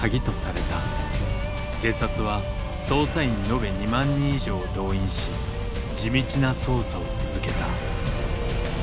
警察は捜査員延べ２万人以上を動員し地道な捜査を続けた。